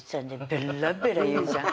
ベッラベラ言うじゃん？